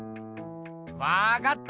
わかった！